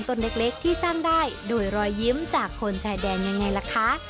ต้นเล็กที่สร้างได้โดยรอยยิ้มจากคนชายแดนยังไงล่ะคะ